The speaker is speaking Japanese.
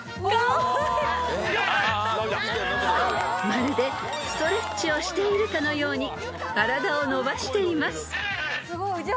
［まるでストレッチをしているかのように体を伸ばしています］